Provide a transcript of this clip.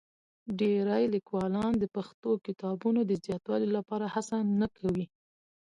ډېری لیکوالان د پښتو کتابونو د زیاتوالي لپاره هڅه نه کوي.